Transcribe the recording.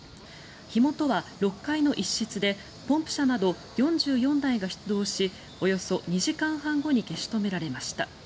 火元は６階の一室でポンプ車など４４台が出動しおよそ２時間半後に消し止められました。